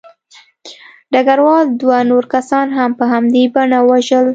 ډګروال دوه نور کسان هم په همدې بڼه ووژل